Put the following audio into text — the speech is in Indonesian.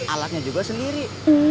alatnya juga sendiri